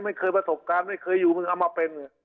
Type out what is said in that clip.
ไม่เคยประสบการณ์ไม่เคยอยู่มึงเอามาเป็น